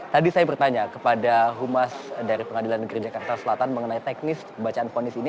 tadi saya bertanya kepada humas dari pengadilan negeri jakarta selatan mengenai teknis pembacaan fonis ini